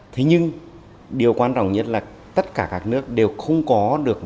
thế nhưng điều quan trọng nhất là tất cả các nước đều không có được